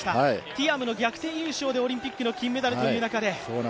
ティアムの逆転優勝でオリンピックの金メダルという中で。